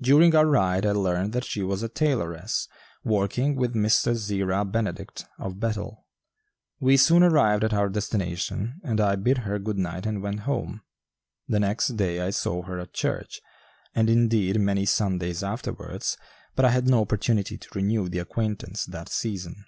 During our ride I learned that she was a tailoress, working with Mr. Zerah Benedict, of Bethel. We soon arrived at our destination and I bid her good night and went home. The next day I saw her at church, and, indeed, many Sundays afterwards, but I had no opportunity to renew the acquaintance that season.